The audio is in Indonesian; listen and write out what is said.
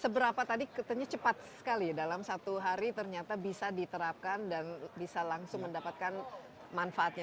seberapa tadi katanya cepat sekali ya dalam satu hari ternyata bisa diterapkan dan bisa langsung mendapatkan manfaatnya